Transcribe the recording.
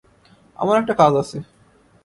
আমার একটা কাজ আছে।